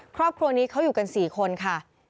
ครอบครัวนี้เขาอยู่กัน๔คนค่ะ